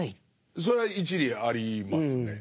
それは一理ありますね。